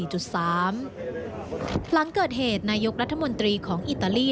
หลังเกิดเหตุนายกรัฐมนตรีของอิตาลี